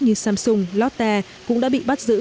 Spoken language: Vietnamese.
như samsung lotte cũng đã bị bắt giữ